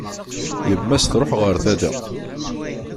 Yemma-s truḥ ɣer tala.